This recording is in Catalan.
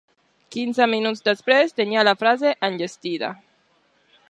Quinze minuts després tenia la frase enllestida.